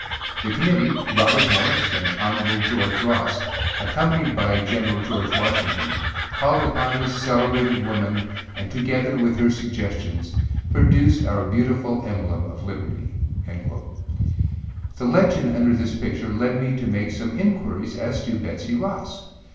The Committee, Robert Morris and Hon. George Ross, accompanied by General George Washington, called upon this celebrated woman and together with her suggestions, produced our beautiful emblem of liberty.â The legend under this picture led me to make some inquiries as to Betsey Ross.